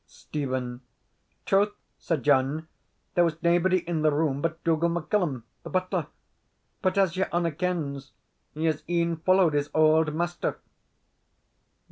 Stephen. Troth, Sir John, there was naebody in the room but Dougal MacCallum, the butler. But, as your honour kens, he has e'en followed his auld master.